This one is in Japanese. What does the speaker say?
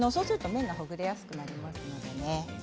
麺がほぐれやすくなりますね。